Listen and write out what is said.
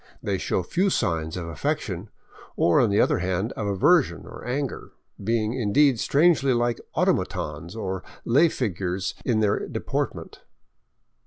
They show few signs of affection, or on the other hand of aversion or anger, being, indeed, strangely like automatons or lay figures in their deportment.